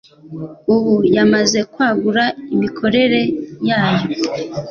ubu yamaze kwagura imikorere yayo